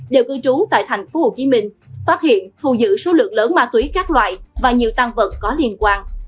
đều cư trú tại thành phố hồ chí minh phát hiện thu giữ số lượng lớn ma túy các loại và nhiều tan vật có liên quan